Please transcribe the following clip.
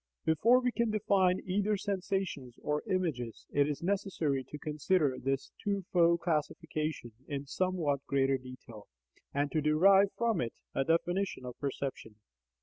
Before we can define either sensations or images, it is necessary to consider this twofold classification in somewhat greater detail, and to derive from it a definition of perception.